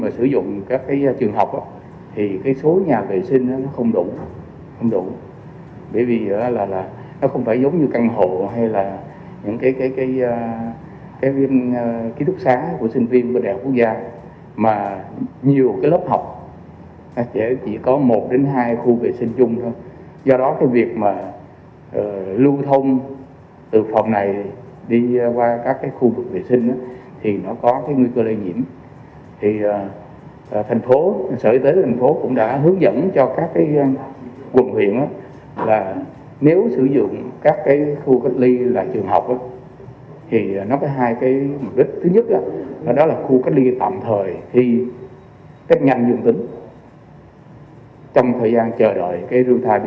sở y tế tp hcm cũng khẳng định việc không sử dụng các trường học là khu cách ly tập trung gần đây